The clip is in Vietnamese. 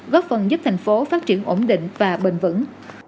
góp phần giúp tp hcm phát triển ổn định và bền vững